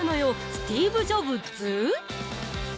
スティーブ・ジョブ「ズ」？